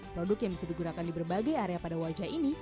produk yang bisa digunakan di berbagai area pada wajah ini